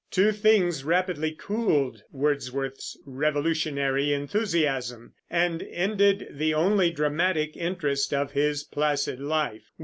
Two things rapidly cooled Wordsworth's revolutionary enthusiasm, and ended the only dramatic interest of his placid life.